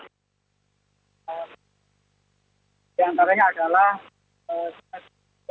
di antaranya adalah